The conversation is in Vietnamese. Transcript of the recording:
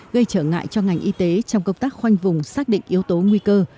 gây trở ngại cho ngành y tế trong công tác khoanh vùng xác định yếu tố nguy cơ